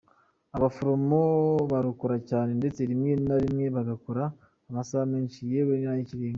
Abaforomo barakora cyane, ndetse rimwe na rimwe bagakora amasaha menshi yewe n’ayikirenga.